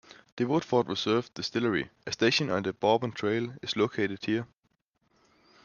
The Woodford Reserve Distillery, a station on the Bourbon Trail, is located here.